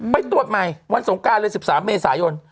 ไปตรวจใหม่วันสงการเลย๑๓เมษายน